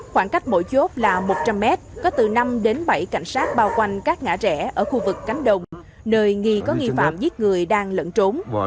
khoảng cách mỗi chốt là một trăm linh mét có từ năm đến bảy cảnh sát bao quanh các ngã rẽ ở khu vực cánh đồng nơi nghi có nghi phạm giết người đang lẫn trốn